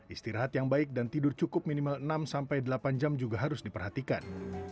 istirahat yang baik dan tidur cukup minimal enam sampai delapan jam juga harus diperhatikan